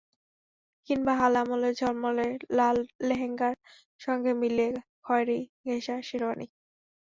কিংবা হাল আমলের ঝলমলে লাল লেহেঙ্গার সঙ্গে মিলিয়ে খয়েরি ঘেঁষা শেরওয়ানি।